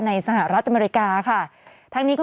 ในสหรัฐอเมริกานะคะ